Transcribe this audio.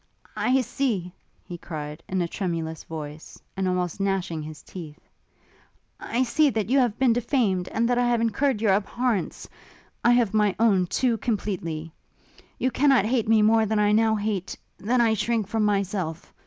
'I see,' he cried, in a tremulous voice, and almost gnashing his teeth, 'I see that you have been defamed, and that I have incurred your abhorrence! I have my own, too, completely! You cannot hate me more than I now hate than I shrink from myself!